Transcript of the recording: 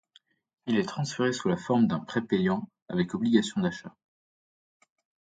Il est transféré sous la forme d'un prêt payant avec obligation d'achat.